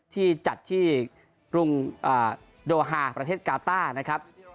ที่จัดที่กรุงโดฮาประเทศกาต้านะครับ